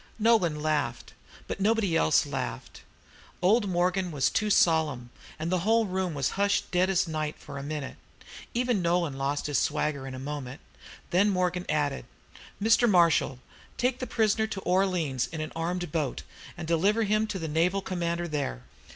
Nolan laughed. But nobody else laughed. Old Morgan was too solemn, and the whole room was hushed dead as night for a minute. Even Nolan lost his swagger in a moment. Then Morgan added, "Mr. Marshal, take the prisoner to Orleans in an armed boat, and deliver him to the naval commander there."